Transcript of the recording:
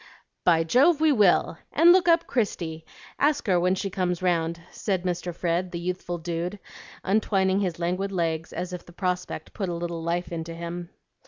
"By Jove, we will! And look up Christie; ask her when she comes round," said Mr. Fred, the youthful dude, untwining his languid legs as if the prospect put a little life into him.